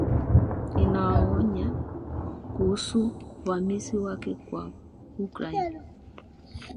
Inawaonya kuhusu uvamizi wake kwa Ukraine